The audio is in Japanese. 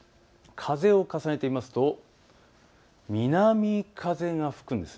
風を重ねてみますと南風が吹くんです。